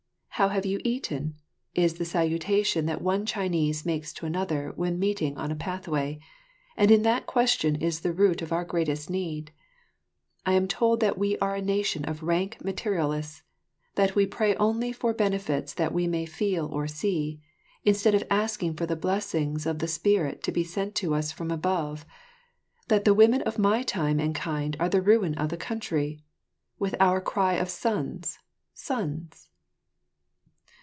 "How have you eaten?" Is the salutation that one Chinese makes to another when meeting on a pathway; and in that question is the root of our greatest need. I am told that we are a nation of rank materialists; that we pray only for benefits that we may feel or see, instead of asking for the blessings of the Spirit to be sent us from above; that the women of my time and kind are the ruin of the country, with our cry of sons, sons!